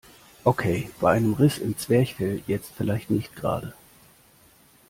Okay, bei einem Riss im Zwerchfell jetzt vielleicht nicht gerade.